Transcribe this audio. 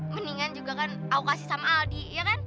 mendingan juga kan aku kasih sama aldi ya kan